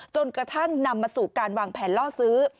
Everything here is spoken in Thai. จนกระทั่งนำมาสู่การวางแผนล่อซื้อ